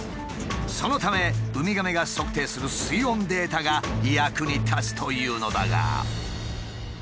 そのためウミガメが測定する水温データが役に立つというのだが。